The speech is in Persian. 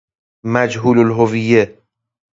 مجهول الهویه